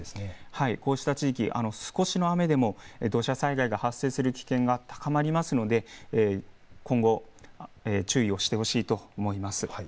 こうした地域少しの雨でも土砂災害が発生する危険が高まりますので今後注意をしてほしいと思います。